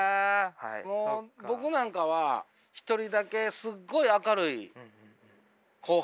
もう僕なんかは一人だけすっごい明るい後輩。